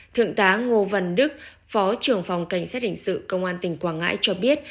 thượng tá ngô văn đức phó trưởng phòng cảnh sát hình sự công an tỉnh quảng ngãi cho biết